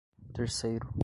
terceiro